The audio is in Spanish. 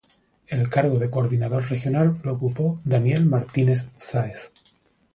El cargo de coordinador regional lo ocupó Daniel Martínez Sáez.